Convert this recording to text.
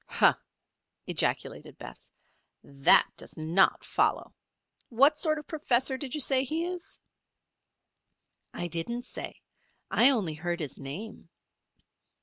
"Humph!" ejaculated Bess. "That does not follow. What sort of professor did you say he is?" "I didn't say. I only heard his name."